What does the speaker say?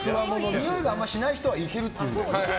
においがあんまりしない人はいけるっていうんだよ。